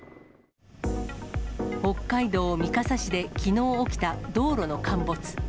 北海道三笠市できのう起きた道路の陥没。